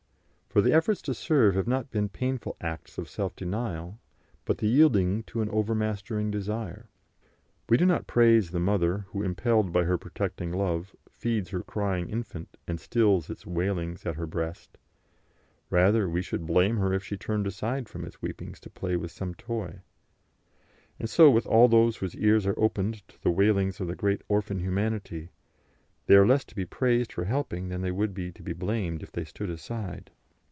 For the efforts to serve have not been painful acts of self denial, but the yielding to an overmastering desire. We do not praise the mother who, impelled by her protecting love, feeds her crying infant and stills its wailings at her breast; rather should we blame her if she turned aside from its weeping to play with some toy. And so with all those whose ears are opened to the wailings of the great orphan Humanity; they are less to be praised for helping than they would be to be blamed if they stood aside.